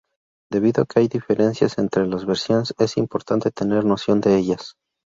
Debido a que hay diferencias entre las versiones es importante tener noción de ellas.